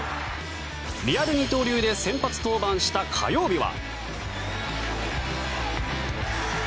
リアル二刀流で先発登板した火曜日は。